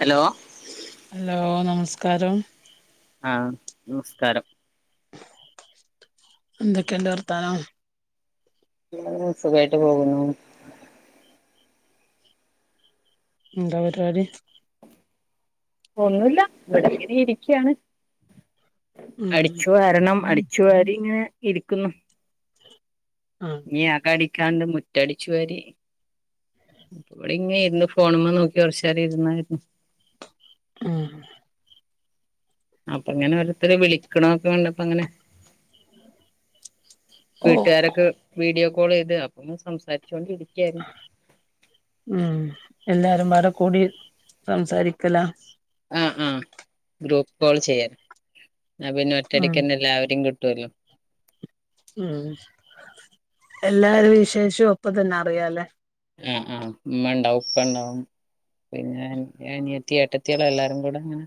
Hello hello നമസ്കാരം ആ നമസ്കാരം എന്തൊക്കെണ്ട് വർത്താനം ഇങ്ങനെ സുഖായിട്ട് പോകുന്നു ന്താ പരിപാടി ഒന്നുല്ല ഇവിടെ ഇങ്ങനെ ഇരിക്ക്യാണ് ഉം അടിച്ചു വാരണം അടിച്ചു വാരി ഇങ്ങനെ ഇരിക്കുന്നു ആ ഇനി അകം അടിക്കാന്ണ്ട് മുറ്റടിച്ചു വാരി ഇവിടെങ്ങെ ഇരുന്ന് ഫോണുമ്മെ നോക്കി കൊറച്ചേരം ഇരുന്നാരുന്നു ആ അപ്പങ്ങനെ ഓരോത്തര് വിളിക്ക്ണ [unintelligible] പ്പങ്ങനെ ഓ വീട്ടുകാരൊക്കെ വീഡിയോ കോളെയ്ത് അപ്പങ്ങ് സംസാരി ആ ആ എല്ലാരും പാടെ കൂടി സംസാരിക്കലാ ആഹ് ആ പിന്നെ ഉം ഒറ്റടിക്കന്നെ എല്ലാവരേം കിട്ടുവല്ലോ ഉം എല്ലാര് വിശേഷോ ഒപ്പ തന്നെ അറിയാലേ ആഹ് ആ ഉമ്മണ്ടാവും ഉപ്പണ്ടാവും പിന്നെ അൻ അനിയത്തി ഏട്ടത്തിയളെല്ലാരും കൂടങ്ങനെ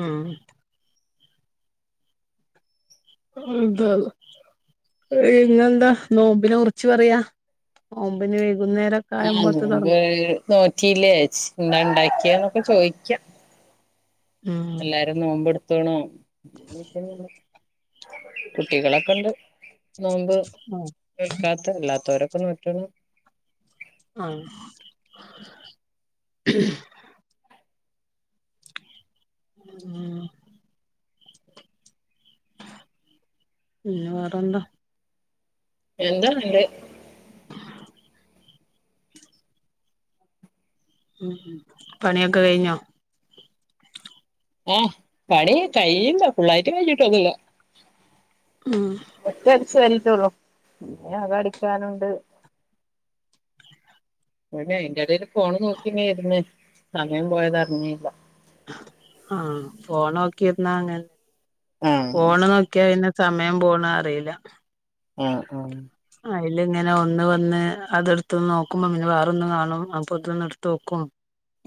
ഉം [unintelligible] പിന്നെന്താ നോമ്പിനെ ഉറിച്ച് പറയാ നോമ്പിന് വേ ആഹ് നോമ്പ് നോറ്റീലേ ച്ച് എന്താ ഇണ്ടാക്ക്യേന്നൊക്കെ ചോയിക്ക്യാ ഉം എല്ലാരും നോമ്പെടു ത്ത്ണോ കുട്ടികളൊക്കെണ്ട് നോമ്പ് ആ ൾക്കാത്ത അല്ലാത്തോരൊക്കെ നോറ്റ്ണ് ആണോ ഉം പിന്ന വേറെന്താ [unintelligible] ഉം പണിയൊക്കെ കയ്ഞ്ഞോ ഏ പണി കഴിയില്ല ഫുള്ളായിട്ട് കഴിഞ്ഞിട്ടൊന്നുല്ല ഉം മുറ്റം അടിച്ചു വാരീട്ടൊള്ളൂ ഇനി അകം അടിക്കാനുണ്ട് ഇവടെ അയിന്റെടേല് ഫോണ് നോക്കിങ്ങനിരുന്ന് സമയം പോയത് അറിഞ്ഞീല്ല ആ ഫോണോക്കിയിരുന്നാ അങ്ങനെ ആഹ് ഫോണ് നോക്കിയാ പിന്നെ സമയം പോണ അറിയില്ല ആആ അയിലിങ്ങനെ ഒന്ന് വന്ന് അതെടുത്ത് നോക്കുമ്പം പിന്നെ വേറൊന്ന് കാണും അപ്പൊ അതൊന്ന് എടുത്ത് നോക്കും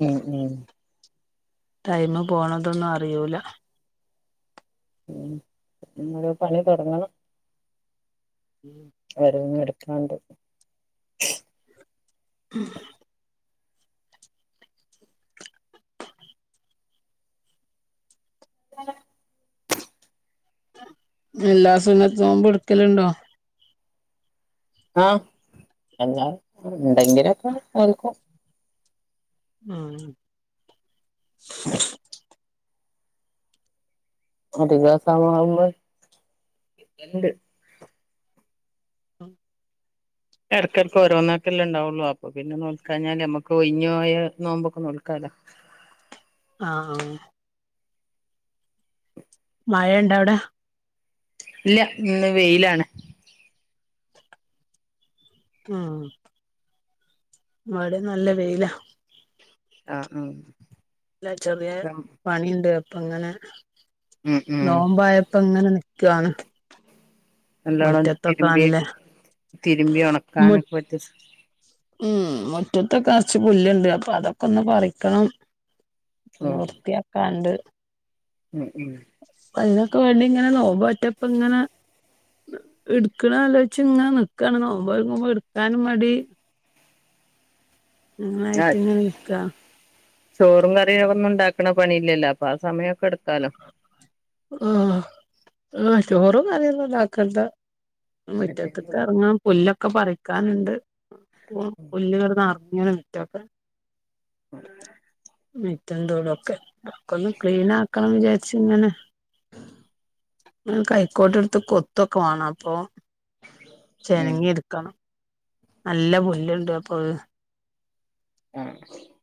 ഉം ഉം ടൈമ് പോണതൊന്നും അറിയൂല ഉം ഇനിയോരോ പണി തൊടങ്ങണം ഓരോന്ന് എടുക്കാണ്ട് ഹല എല്ലാ സുന്നത്ത് നോമ്പും എടുക്കലുണ്ടോ ആഎല്ലാം ഉണ്ടെങ്കിലൊക്കെ എടുക്കും ആ അധികാ സമയാവുമ്പ കിട്ടല്ണ്ട് ഉം എടക്കെടക്ക് ഓരോന്നക്കെല്ലേ ഉണ്ടാവൊള്ളൂ അപ്പൊ പിന്നെ നോൽക്കാഞ്ഞാല് നമ്മക്ക് ഒയിഞ്ഞ് പോയ നോമ്പൊക്കെ നോൽക്കാലാ ആ ആ മഴ ഇണ്ട അവിടെ? ഇല്ല ഇന്ന് വെയിലാണ് ഉം വടിം നല്ല വെയില ആ ഉം ല്ല ചെറിയ പണിയുണ്ട് അപ്പങ്ങനെ ഉം ഉം നോമ്പായപ്പൊങ്ങനെ നിക്കാണ് നല്ലോണം മുറ്റത്തൊക്കെ തിരുമ്പി നല്ല തിരുമ്പി മു ഉണക്കാനൊക്കെ പറ്റി ഉം മുറ്റത്തൊക്കെ നർച്ച് പുല്ല്ണ്ട് അപ്പൊ അതൊക്കൊന്ന് പറിക്കണം ഓ വൃത്തിയാക്കാൻണ്ട് ഉം ഉം അതിനൊക്കെ വേണ്ടി ഇങ്ങനെ നോമ്പോറ്റപ്പങ്ങനെ ഇട്ക്ക്ണാലോയ്ച്ച്ങ്ങനെ നിക്കാണ് നോമ്പോൽക്കുമ്പോ ഇട്ക്കാനും മടി ആ അങ്ങനായിട്ട് ഇങ്ങനെ നിക്കാ ചോറും കറി ഒന്നും ഉണ്ടാക്ക ക്കണ പണിയില്ലല്ലോ അപ്പൊ ആ സമയൊക്കെ എടുക്കാലോ ആ ചോറും കറിയൊന്നും ണ്ടാക്കണ്ട മുറ്റത്ത്ക്ക് ഇറങ്ങാൻ പുല്ല ക്കെ പറിക്കാനുണ്ട് പുല്ല്ങ്ങട് നെറഞ്ഞ്ണ് മിറ്റൊക്കെ മിറ്റന്തൊടൊക്കെ ഒക്കൊന്ന് ക്ലീൻ ആക്കണം വിചാരിച്ച്ങ്ങനെ കൈക്കോട്ട്ട്ത്ത് കൊത്തൊക്കെ വാണം അപ്പൊ ഉം ചെനങ്ങി എടുക്കണം നല്ല പുല്ലുണ്ട് അപ്പൊ ആ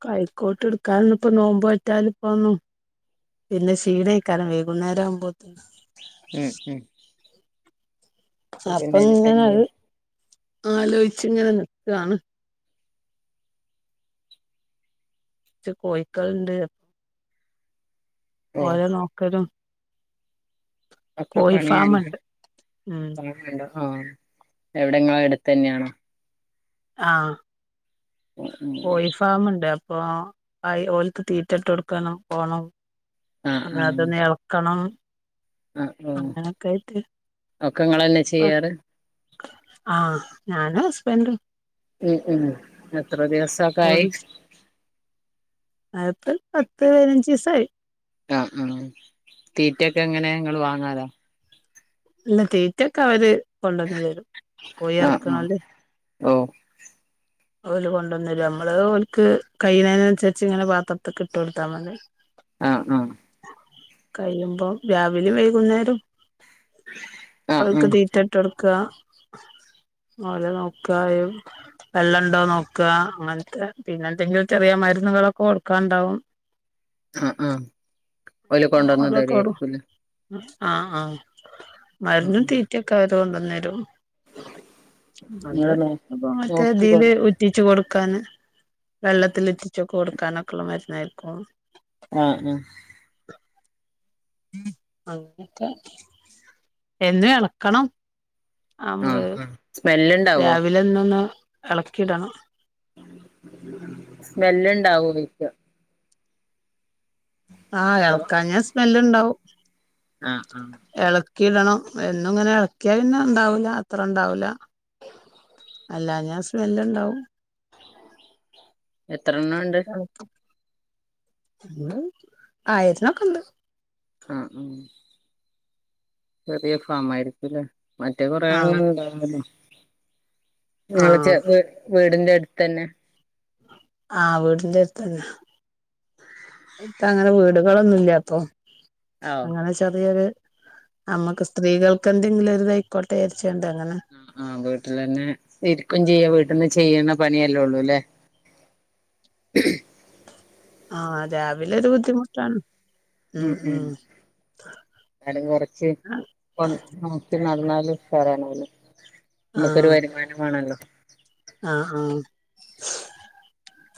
കൈക്കോട്ട് എട്ക്കാനൊന്നുംപ്പൊ നോമ്പയ്റ്റനിപ്പന്നും പിന്നെ ക്ഷീണേക്കാരം വൈകുന്നേരം ആവുമ്പോ ഉം ഉം അപ്പൊ പിന്നെ ഇനി അപ്പൊങ്ങനെ അത് കഞ്ഞിയും ആലോയ്ച്ച്ങ്ങനെ നിക്കാണ് ച്ച് കോയ്ക്കള്ണ്ട് ഓ ഓല നോക്കലും ഒക്കെ കോഴി പണിയല്ല ഫാമ്ണ്ട് ഉം പണിണ്ടോ ആഎവിടെങ്ങളെ അടുത്തെന്നേണോ? ആ ഉം ഉം കോയി ഫാമ്ണ്ട് അപ്പൊ ആ ഓൽക്ക് തീറ്റട്ടൊട്ക്കണം പോണം ആ അ ആ അതൊന്ന് ഇളക്കണം അങ്ങനെയൊക്കെ ആയിട്ട് ക്കങ്ങളെന്നെ ചെയ്യാറ് ആഹ് ഞാന് ഹസ്ബന്റ് ഉം ഉം എത്ര ദിവസൊക്കെ ആയി? അതിപ്പോ പത്ത് പതിനഞ്ച് ദിവസായി ആഹ് ആ തീറ്റെക്കെ എങ്ങനെ ങ്ങള് വാങ്ങൊതോ? ഇഇല്ല തീറ്റൊക്കവര് കൊണ്ടുവന്ന് തരും കോയി ഇറക്ക്ണോല് ഓ ഓല് കൊണ്ടുവന്നരും നമ്മള് ഓൽക്ക് കൈയ്യ്ന്നേനൻസര്ച്ച് ഇങ്ങനെ പാത്രത്തിക്ക് ഇട്ട് കൊട്ത്താ മതി ആഹ് ആഹ് കഴിയുമ്പം രാവിലും വൈകുന്നേരം ആഹ് ഓൽക്ക് ആഹ് തീറ്റട്ട്ടുക്ക ഓലെ നോക്ക യും വെള്ളംണ്ടോ നോക്ക അങ്ങൻത്തെ പിന്നെ എന്തെങ്കിലും ചെറിയ മരുന്നുകളൊക്കെ കൊടുക്കാണ്ടാവും ആഹ് ആഹ് ഓല് കൊണ്ടന്ന് അതൊക്കെ തരേയിരിക്കുല്ലേ ആഹ് ആഹ് ഉം മരുന്നും ഉം തീറ്റൊക്കെ അവര് കൊണ്ടന്നേരും അ ഇങ്ങള് നോ അപ്പൊ നോക്കി മറ്റേതില് കൊടുക്കും ഉറ്റിച്ച് കൊടുക്ക ക്കാന് വെള്ളത്തിലുറ്റിച്ചൊക്കെ കൊടുക്കാനൊക്കെള്ള മരുന്നായിരിക്കും ആഹ് ആഹ് ഉ അങ്ങ എന്നും ഇളക്കണം നമ്മള് ആഹ സ്മെല് രാവിലെ ഇന്നൊന്ന് ഇളക്കിയിടാണ് സ്മെല്ലുണ്ടാവു വക്ക് ആഹ് ഇളക്കാ ഞാൻ സ്മെല് ഉണ്ടാവും ആഹ ആഹ് ഇക്കി ഇടണം എന്നും ഇങ്ങനെ ഇളക്കിയാ പിന്നെ ഇണ്ടാവൂല അത്ര ഇണ്ടാവൂില്ല അല്ലാ ഞാൻ സ്മെല് ഉണ്ടാവും എത്രണ്ണംണ്ട് ഉ ആയതിനൊക്കെ ഉണ്ട് ആഹ ഉ ചെറിയ ഫാമ ആയിരിക്കലേ മറ്റേ കുറെേ ആഹ് എണ്ണം ഉണ്ടാവ നിങ്ങള് ചെ ആഹ് വീടിന്റെ അടുത്ത് തന്നെ ആഹ വീടിന്റെ അടുത്തന്നെ ഇപ്പ അങ്ങനെ വീടുകളൊന്നുംല്ല അപ്പൊ ആഹ് അങ്ങനെ ചെറിയൊരു നമ്മക്ക് സ്ത്രീകൾക്ക് എന്തെങ്കിലും ഒരുതയിക്കോട്ടെരിച്ച ആ ആഹ് വീട്ടിൽ തന്നെ ഇരിക്കും ചെയ്യാ വീട്ടിൽന്ന് ചെയ്യുന്ന പനിയല്ലേ ഉള്ളൂ അല്ലേ ഉ.. ആഹ അതൊവിലരു ബുദ്ധിമുട്ടാണ് ഉ ഉം ഉ ഉം അല കൊറച്ച് ആഹ് നോ നടന്നാലും സാറാണല നമുക്കൊരു വരുമാനം വേണല്ലോ ആഹ ആഹ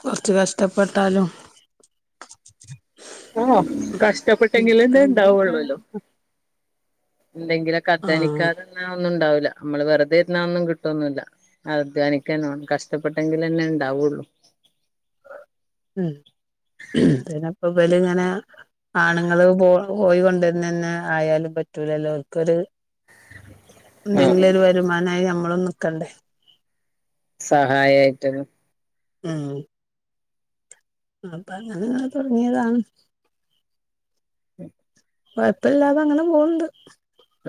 കുറച്ച് കഷ്ടപ്പെട്ടാലും ആഓ കഷ്ടപ്പെട്ടെങ്കിലുംന്താ ഇണ്ടാവള്ളൂല്ലോ എന്തെങ്കിലൊക്കെ ആഹ് അധാനിക്കാതന്ന ഒന്നും ഉണ്ടാവില്ല നമ്മള് വെറുതെ ഇരുന്ന ഒന്നും കിട്ടൊന്നല്ല അാന കഷ്ടപ്പെട്ടെങ്കിൽന്നെ ഉണ്ടാവുള്ളൂ ഉ പിന്നെപ്പ ഇല ഇങ്ങനെ ആണുങ്ങള് പോ പോയി കൊണ്ടുവന്ന് തന്നെ ആയാലും പറ്റൂല എല്ലാവർക്കുംരു ആഹ് എന്തെങ്കിലും ഒരു വരുമാനമായി നഞമ്മള നിക്കണ്ടേ സഹായമായിട്ട ആ അപ്പൊ അങ്ങനെ തുടങ്ങിയതാണ് കൊഴപ്പില്ലാതെ അങ്ങനെ പോണ്ട്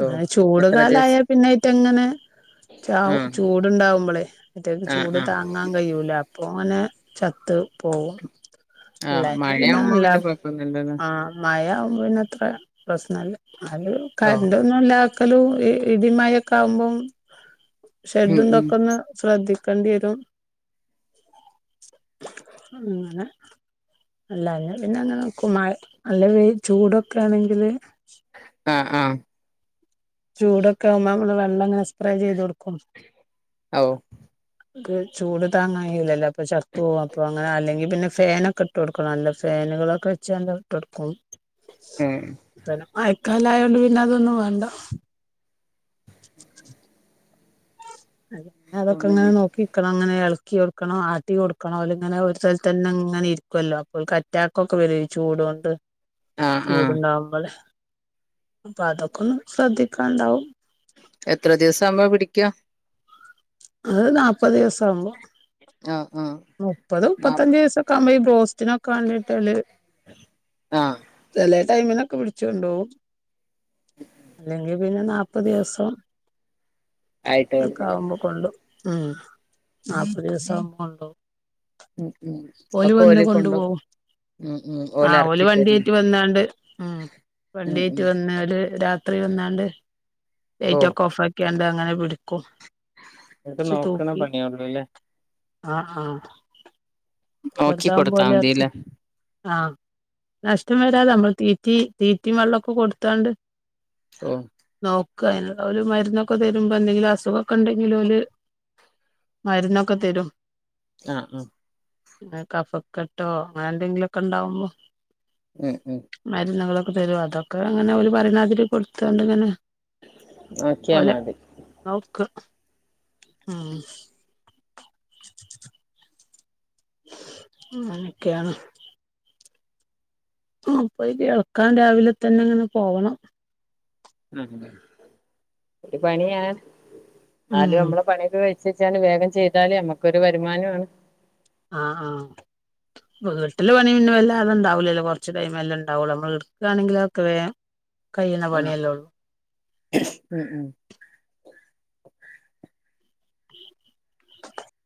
ഓ ചൂട് എത്ര ദിവസം കാലായൽ പിന്നായിറ്റ എങ്ങനെ ച ആഹ് ചൂട്ണ്ടാവുമ്പോളെ അയറ്റേക്ക് ആഹ് ചൂട് ആഹ് താങ്ങാൻ കയ്യൂല അപ്പൊ പോനെ ചത്ത് പോവും ആഹ് ഇല്ലാഞ്ഞ പിന്നെ മഴയാവുമ്പോ നല്ല കൊഴപ്പൊന്നുല്ലല്ലോ ആഹ മഴ ആവുമ്പോ പിന്നെ അത്ര പ്രശ്നല്ല അല് ഓ കറന്റ് ഒന്നുംല്ല ക്കലും ഇടിമ ഒഴക്കെ ആകുമ്പം ഉം ഷെഡും ഉം തൊക്കന്ന് ശ്രദ്ധിക്കും കണ്ടി വരും അങ്ങനെ അല്ലാഞ്ഞ പിന്നെ അങ്ങനെ നിക്കും മഴ നല്ല ചൂടൊക്കെ ആണെങ്കില് ആഹ ആഹ ചൂടൊക്കെ ആകുമ്പോ നമ്മള് വെള്ളം അങ്ങെ സ്പ്രേ ചെയ്തു കൊടുക്കും അവോ ക്ക് ചൂട് താങ്ങായുല്ലല്ലോ അപ്പൊ ചത്തു പോകും അപ്പൊ അങ്ങനെ അല്ലെങ്കിൽ പിന്നെ ഫാനൊക്കെ ഇട്ട് കൊടുക്കണം നല്ല ഫാൻ [unintelligible] കളൊക്കെ വെച്ച് ക്കാണ്ട് ഇട്ട് ഒടുക്കും ഉം ആയക്കാല ആയോണ്ട് പിന്നെ അതൊന്നും വേണ്ട അ അതൊക്കെ ഇങ്ങനെ നോക്കിക്കണം അങ്ങനെ എൾക്കി കൊടുക്കണോ ആട്ടി കൊടുക്കണോ ഓല് ഇങ്ങനെ ഒരു സ്ഥൽത്തെന്നെ ഇങ്ങനെ ഇരിക്കുല്ലോ അപ്പോൾ അറ്റാക്ക ഒക്കെ വര ചൂട് കൊണ്ട് ആഹ് ആഹ് ചൂടുണ്ടാവുമ്പോള് അപ്പൊ അതൊക്കെ ഒന്നും ശ്രദ്ധിക്കാൻണ്ടാവും എത്ര ദിവസം ആവുമ്പോ പിടിക്ക അത് നാപ്പത് ദിവസ ആവുമ്പോ അഹ് മുപ്പത് മുപ്പത്തഞ്ചു വയസ്സൊക്കെ ആവുമ്പോ ഈ ബ്രോസ്റ്റിനൊക്കെ വാണ്ടിയിട്ട് ആഹ് ചേലെ ടൈമിനൊക്കെ പിടിച്ചോണ്ടുപോവും അല്ലെങ്കിൽ പിന്നെ നാല്പ്പത് ദിവസം ആയിട്ട് നക്ക കൊടുത്തില്ല ആവുമ്പോ കൊണ്ടു ഉം നാല്പ്പത് ദിവസ ആകുമ്പോ കൊണ്ടോ ഉം ഉം ഓല് ഒക്കെ വന്ന് കൊണ്ട് പോവും ഉം ഉം ആ ഓല് എറക്കി തരും വണ്ടിറ്റ് വന്നാണ്ട് ഉം ഉം വണ്ടിറ്റ് ഉം വന്ന് ഒരു രാ രാത്രി വന്നാണ്ട് ലൈറ്റൊക്കെ ഓഫ് ആക്കിയാണ്ട് അങ്ങനെ പിടിക്കും ഇങ്ങേക് നോക്കണ പണിയള്ളൂല്ലേ അഹ് അഹ് നോക്കി കൊടുത്താ ഓലെ എറക്കി മതില്ലേ ആഹ് നഷ്ടം വരാതെ നമ്മൾ തീറ്റി തീറ്റി മെള്ളൊക്കെ കൊടുത്താണ്ട് ഓ ക്ക അയിനൊളേ മരുന്നൊക്കെ തരുമ്പോ എന്തെങ്കിലും അസുഖക്കെ ഉണ്ടെങ്കിലോല് മരുന്നൊക്കെ തരും അഹ് അ കഫക്കെട്ടോ അങ്ങനെ എന്തെങ്കിലുമൊക്കെ ഉണ്ടാവുമ്പോ ഉം ഉം മരുന്നുകള തരും അതൊക്കെ അങ്ങനെ ഓര് പറിണമാതിരി കൊടുത്തൊണ്ട്ങ്ങനെ നോക്കിയാ ഓലെ മതി നോക്ക് ആ അങ്ങനൊക്കെയാണ് അപ്പൊ എൾക്കാൻ രാവിലെ തന്നെ ഇങ്ങനെ പോകണം ഉം ഒരു പണിയാണ് ഉം ന്നാലും നമ്മളെ പണിയൊക്കെ കഴി റിച്ചാണ് വേഗം ചെയ്താലേ നമ്മക്കൊരു വരുമാനമാണ് ആ ആ വീട്ടില പണി പിന്നെ വല്ല അത് ഉണ്ടാവലല്ലോ കൊറച്ച് ടൈം എല്ലേ ഉണ്ടാവുള്ളൂ നമ്മള് എടുക്കാണെങ്കിൽ അതൊക്കെ വേം കയ്യിണ ആഹ് പണിയല്ലെ ഉള്ളൂ ഉം ഉം